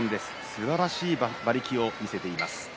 すばらしい馬力を見せています。